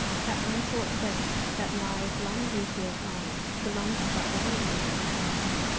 That unsought grace, that lithe long beauty of line, belonged to but one woman in the house.